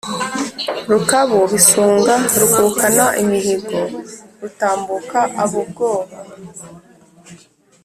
Rukabu bisunga rukukana imihigo, rutambuka ab’ubwoba,